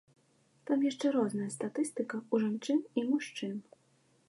Там яшчэ розная статыстыка ў жанчын і ў мужчын.